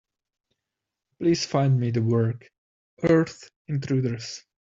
Please find me the work, Earth Intruders.